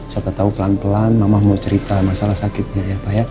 siapa tahu pelan pelan mama mau cerita masalah sakitnya ya pak ya